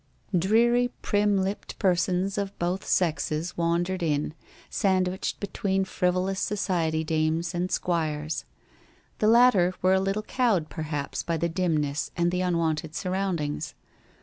Dreary prim lipped persons of both sexes wandered in, sandwiched between frivolous society dames, and squires. The latter were a little cowed perhaps by the dimness and the unwonted surroundings.